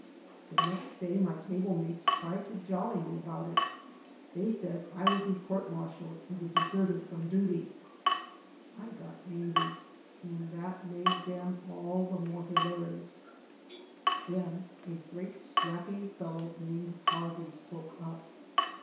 The next day my table mates tried to jolly me about it. They said I would be court martialed as a deserter from duty. I got angry, and 239 J AN AMERICAN IN THE MAKING that made them all the more hilarious. Then a great, strapping fellow named Harney spoke up.